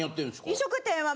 飲食店は。